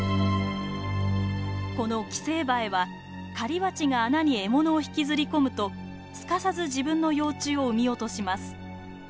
この寄生バエは狩りバチが穴に獲物を引きずり込むとすかさず自分の幼虫を産み落とします。